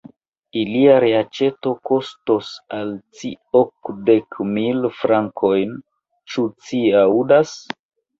Ilia reaĉeto kostos al ci okdek mil frankojn, ĉu ci aŭdas?